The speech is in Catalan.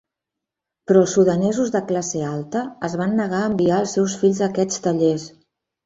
Però els sudanesos de classe alta es van negar a enviar als seus fills a aquests tallers.